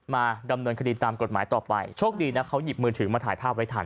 มาดำเนินคดีตามกฎหมายต่อไปโชคดีนะเขาหยิบมือถือมาถ่ายภาพไว้ทัน